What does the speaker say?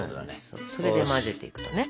それで混ぜていくとね。